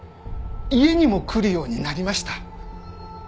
家にも来るようになりました。